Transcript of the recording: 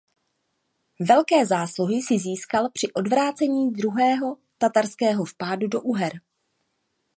Velké zásluhy si získal při odvrácení druhého tatarského vpádu do Uher.